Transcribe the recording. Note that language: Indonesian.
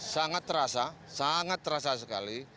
sangat terasa sangat terasa sekali